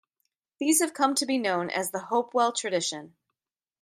These have come to be known as the Hopewell tradition.